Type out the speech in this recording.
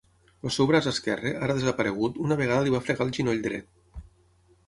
El seu braç esquerre, ara desaparegut, una vegada li va fregar el genoll dret.